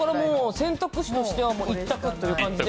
選択肢としては一択って感じで。